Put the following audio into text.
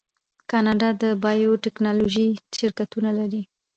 کاناډا د بایو ټیکنالوژۍ شرکتونه لري.